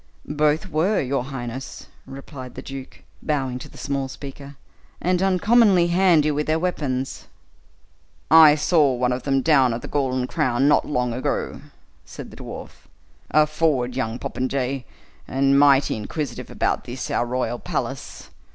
"Both were, your highness," replied the duke, bowing to the small speaker, "and uncommonly handy with their weapons." "I saw one of them down at the Golden Crown, not long ago," said the dwarf; "a forward young popinjay, and mighty inquisitive about this, our royal palace.